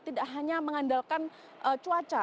tidak hanya mengandalkan cuaca